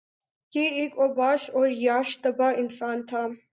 یہ ایک اوباش اور عیاش طبع انسان تھا